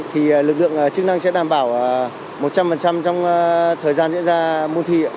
thì lực lượng chức năng sẽ đảm bảo một trăm linh trong thời gian diễn ra môn thi